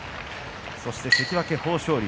そして関脇豊昇龍